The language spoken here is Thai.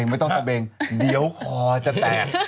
ไม่ต้องตะเบงเดี๋ยวคอจะแตก